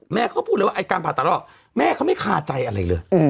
เขาก็พูดเลยว่าไอ้การผ่าตัดลอกแม่เขาไม่คาใจอะไรเลย